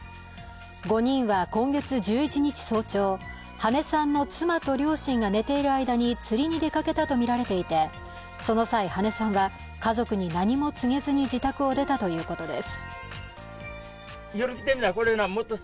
５人は今月１１日早朝、羽根さんの妻と両親が寝ている間に釣りに出かけたとみられていて、その際、羽根さんは家族に何も告げずに自宅を出たということです